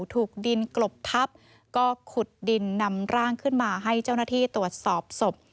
ถูกดินกลบทับก็ขุดดินนำร่างขึ้นมาให้เจ้าหน้าที่ตรวจสอบศพ